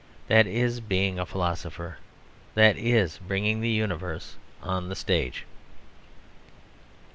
That is being a philosopher; that is bringing the universe on the stage.